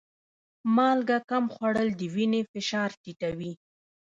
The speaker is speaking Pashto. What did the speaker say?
مالګه کم خوړل د وینې فشار ټیټوي.